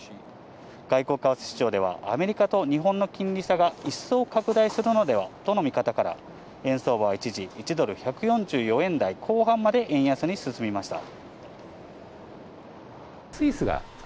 外国為替市場ではアメリカと日本の金利差が一層拡大するのではとの見方から、円相場は一時、１ドル＝１４４円台後半まで円安に進みました。